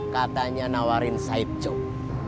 katanya nawarin saip jok